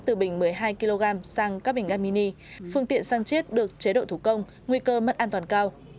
từ bình một mươi hai kg sang các bình ga mini phương tiện săn chiết được chế độ thủ công nguy cơ mất an toàn cao